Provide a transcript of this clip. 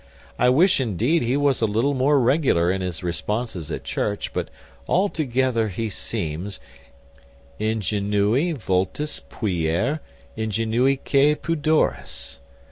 I wish, indeed, he was a little more regular in his responses at church; but altogether he seems _Ingenui vultus puer ingenuique pudoris.